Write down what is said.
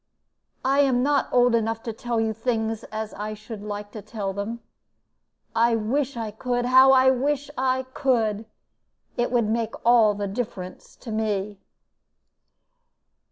I am not old enough to tell you things as I should like to tell them. I wish I could how I wish I could! It would make all the difference to me."